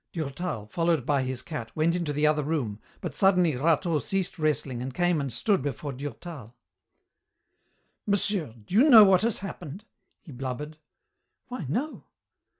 Durtal, followed by his cat, went into the other room, but suddenly Rateau ceased wrestling and came and stood before Durtal. "Monsieur, do you know what has happened?" he blubbered. "Why, no."